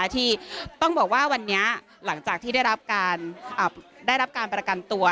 ที่ต้องบอกว่าวันนี้หลังจากที่ได้รับการประกันตัว